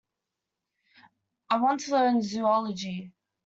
I want to learn Zoology.